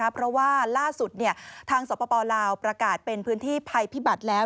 เพราะว่าล่าสุดทางสปลาวประกาศเป็นพื้นที่ภัยพิบัติแล้ว